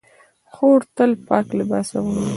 خور تل پاک لباس اغوندي.